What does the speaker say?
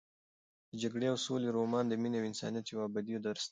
د جګړې او سولې رومان د مینې او انسانیت یو ابدي درس دی.